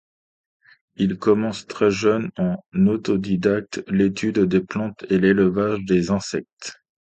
Il commence très jeune en autodidacte l'étude des plantes et l'élevage des insectes.